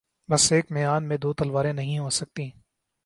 بس ایک میان میں دو تلواریں نہیں ہوسکتیں